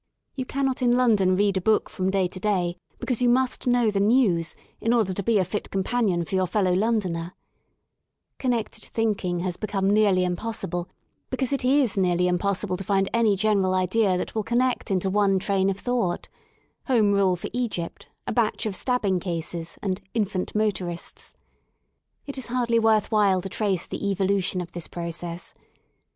You cannot in London read a book 134 wrr LONDON AT LEISURE from day to day, because you must know the news, in order to be a fit companion for your fellow Londoner Connected thinking has become nearly impossible, because it u nearly impossible to find any general idea that will connect into one train of thought: *' Home Rule for Egypt,*' *' A Batch of Stabbing Cases/* and fnfant Motorists It is hardly worth while to trace the evolution of this process.